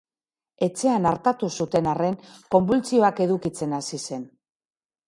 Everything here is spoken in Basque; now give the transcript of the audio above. Etxean artatu zuten arren, konbultsioak edukitzen hasi zen.